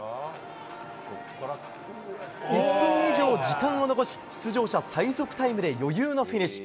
１分以上時間を残し出場者最速タイムで余裕のフィニッシュ。